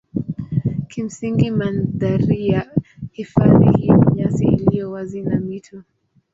Kimsingi mandhari ya hifadhi hii ni nyasi iliyo wazi na mito.